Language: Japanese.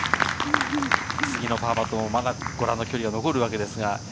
次のパーパットもまだご覧の距離が残るわけです。